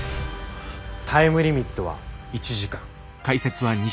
タイムリミットは１時間。